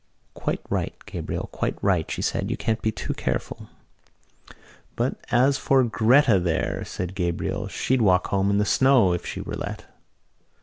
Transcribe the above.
"Quite right, Gabriel, quite right," she said. "You can't be too careful." "But as for Gretta there," said Gabriel, "she'd walk home in the snow if she were let."